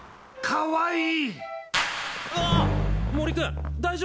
かわいい。